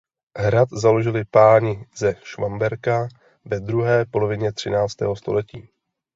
Hrad založili páni ze Švamberka ve druhé polovině třináctého století.